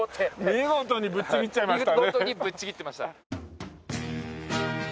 見事にぶっちぎっちゃいましたね。